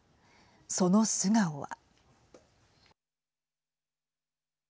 その素顔は。